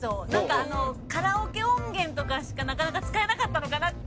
カラオケ音源とかしかなかなか使えなかったのかなって。